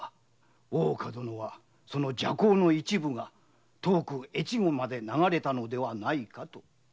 大岡殿はその麝香の一部が遠く越後まで流れたのではないかと見ておられるのだ。